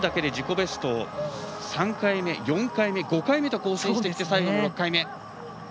ベスト３回目、４回目５回目と更新してきて最後６回目。